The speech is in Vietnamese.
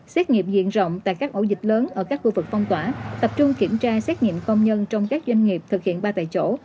xét nghiệm diện rộng tại các ổ dịch lớn ở các khu vực phong tỏa tập trung kiểm tra xét nghiệm công nhân trong các doanh nghiệp thực hiện ba tại chỗ